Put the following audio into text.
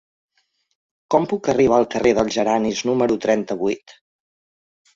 Com puc arribar al carrer dels Geranis número trenta-vuit?